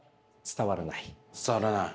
伝わらない？